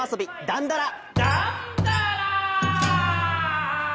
だんだら！